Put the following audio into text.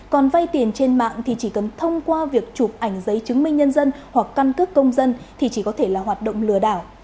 còn vay tiền trên mạng thì chỉ cần thông qua việc chụp ảnh giấy chứng minh nhân dân hoặc căn cước công dân thì chỉ có thể là hoạt động lừa đảo